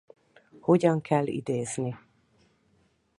Hogyan kell idézni?